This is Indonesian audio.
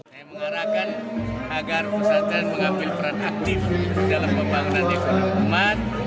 saya mengarahkan agar pesantren mengambil peran aktif dalam pembangunan ekonomi umat